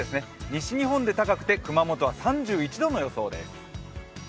西日本で高くて熊本は３１度の予想です。